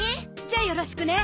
じゃよろしくね。